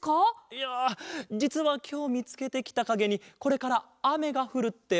いやじつはきょうみつけてきたかげにこれからあめがふるっておそわってなあ。